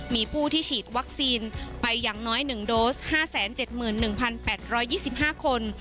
มีผู้ที่ฉีดวัคซีนไปอย่างน้อย๑โดส๕๗๑๘๒๕คน